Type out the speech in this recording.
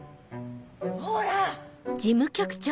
・ほら！